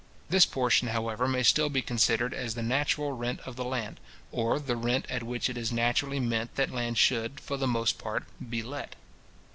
This portion, however, may still be considered as the natural rent of land, or the rent at which it is naturally meant that land should, for the most part, be let.